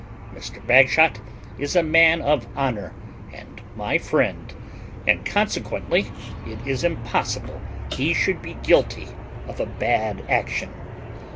Mr. Bagshot is a man of honour, and my friend, and consequently it is impossible he should be guilty of a bad action."